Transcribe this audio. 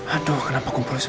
aduh kenapa kumpul semua sih